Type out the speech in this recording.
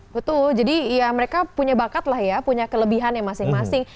betul jadi ya mereka punya bakat lah ya punya kelebihan yang masing masing